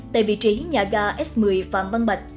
tại vị trí nhà ga s một mươi phạm văn bạch